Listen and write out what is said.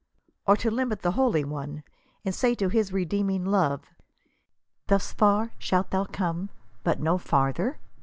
*or to limit the Holy One, and say to his redeeming love, *' thus far shait thou come, but no farther